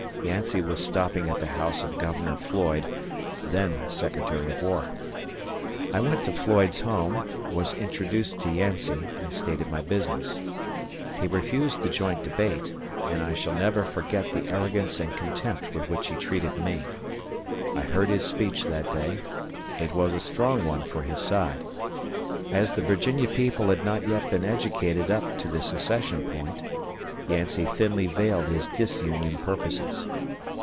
Yancey was stopping at the house of Governor Floyd then Secretary of War. I went to Floyd's home, was introduced to Yancey, and stated my business. He refused the joint debate, and I shall never forget the arrogance and contempt with which he treated me. I heard his speech that day; it was a strong one for his side. As the Virginia people had not yet been educated up to the secession point, Yancey thinly veiled his disunion purposes.